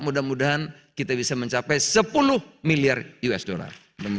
mudah mudahan kita bisa mencapai sepuluh miliar us dollar